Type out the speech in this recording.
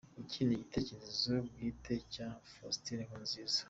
Iki ni igitekerezo bwite cya Faustin Nkurunziza.